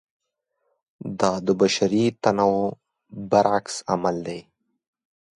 دا د بشري تنوع برعکس عمل دی.